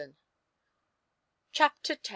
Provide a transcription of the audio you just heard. CHAPTER X.